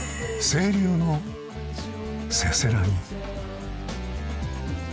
清流のせせらぎ。